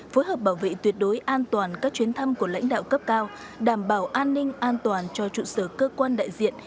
phối hợp bảo vệ tuyệt đối an toàn các chuyến thăm của lãnh đạo cấp cao đảm bảo an ninh an toàn cho trụ sở cơ quan đại diện